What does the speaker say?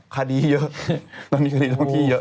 คดีเยอะตอนนี้คดีท้องที่เยอะ